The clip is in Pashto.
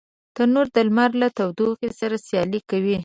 تنور د لمر له تودوخي سره سیالي کوي